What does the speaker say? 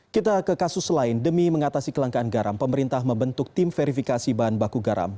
kita ke kasus lain demi mengatasi kelangkaan garam pemerintah membentuk tim verifikasi bahan baku garam